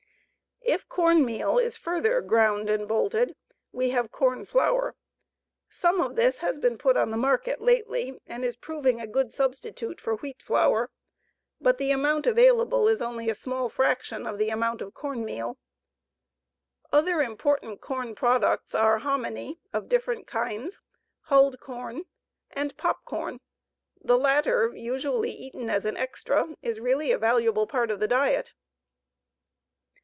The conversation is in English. If corn meal is further ground and bolted, we have corn flour. Some of this has been put on the market lately and is proving a good substitute for wheat flour; but the amount available is only a small fraction of the amount of corn meal. Other important corn products are hominy of different kinds, hulled corn, and popcorn. The latter, usually eaten as an "extra," is really a valuable part of the diet.